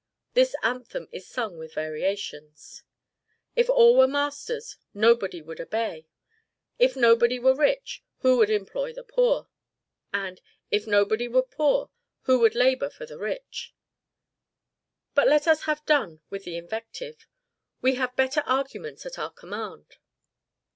This anthem is sung with variations. "If all were masters, nobody would obey." "If nobody were rich, who would employ the poor?" And, "If nobody were poor, who would labor for the rich?" But let us have done with invective we have better arguments at our command.